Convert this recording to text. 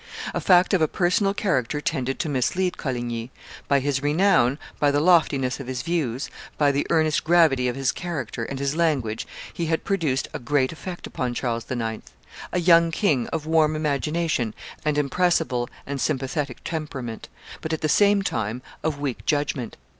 A fact of a personal character tended to mislead Coligny. By his renown, by the loftiness of his views, by the earnest gravity of his character and his language he had produced a great effect upon Charles IX., a young king of warm imagination and impressible and sympathetic temperament, but, at the same time, of weak judgment.